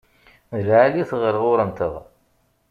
D lεali-t ɣer ɣur-nteɣ.